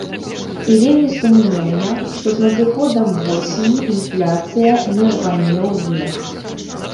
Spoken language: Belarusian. І вельмі сумнеўна, што з надыходам восені інфляцыя не рване ўверх.